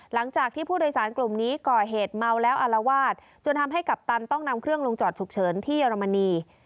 หลังจากที่ผู้โดยสารกลุ่มนี้ก่อเหตุเมาแล้วอารวาสจนทำให้กัปตันต้องนำเครื่องลงจอดฉุกเฉินที่เยอรมนี